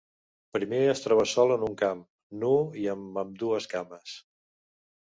Primer es troba sol en un camp, nu i amb ambdues cames.